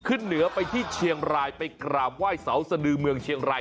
ขึ้นเหนือไปที่เชียงรายไปกราบไหว้เสาสดือเมืองเชียงราย